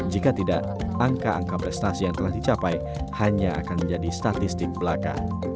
jika tidak angka angka prestasi yang telah dicapai hanya akan menjadi statistik belaka